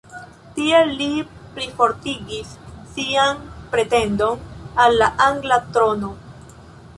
Tiel li plifortigis sian pretendon al la angla trono.